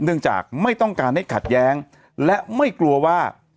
เนื่องจากไม่ต้องการให้ขัดแย้งและไม่กลัวว่า